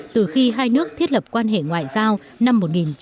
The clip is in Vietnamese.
từ khi hai nước thiết lập quan hệ ngoại giao năm một nghìn chín trăm bảy mươi